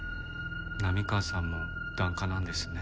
波川さんも檀家なんですね。